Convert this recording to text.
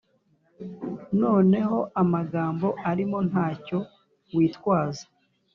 noneho amagambo arimo ntacyo witwaza